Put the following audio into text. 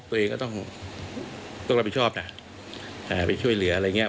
ตัวเองก็ต้องรับผิดชอบนะไปช่วยเหลืออะไรอย่างนี้